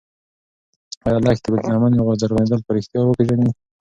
ایا لښتې به د لمنې زرغونېدل په رښتیا وپېژني؟